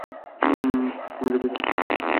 ওম, আমি দুঃখিত।